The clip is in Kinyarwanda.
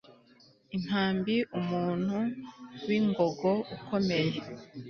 impambi umuntu w'ingogo, ukomeye